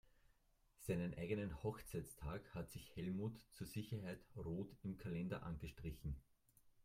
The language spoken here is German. Seinen eigenen Hochzeitstag hat sich Helmut zur Sicherheit rot im Kalender angestrichen.